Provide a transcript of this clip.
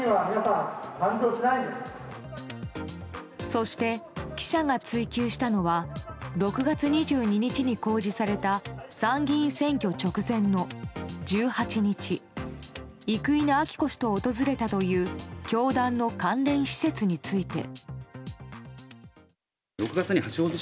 そして、記者が追及したのは６月２２日に公示された参議院選挙直前の１８日生稲晃子氏と訪れたという教団の関連施設について。